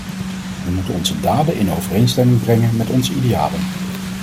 We moeten onze daden in overeenstemming brengen met onze idealen.